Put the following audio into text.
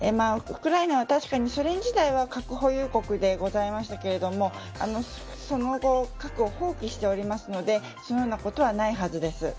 ウクライナは、確かにソ連時代は核保有国でございましたけれどもその後核を放棄しておりますのでそのようなことはないはずです。